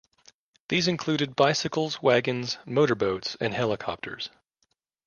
These include bicycles, wagons, motorboats, and helicopters.